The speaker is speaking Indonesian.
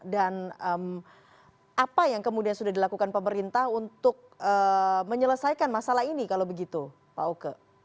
dan apa yang kemudian sudah dilakukan pemerintah untuk menyelesaikan masalah ini kalau begitu pak oke